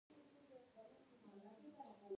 میلوگان